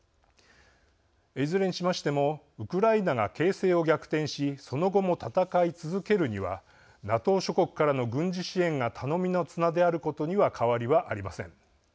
いずれにしましてもウクライナが形勢を逆転しその後も戦い続けるにはＮＡＴＯ諸国からの軍事支援が頼みの綱であることには変わりはありません。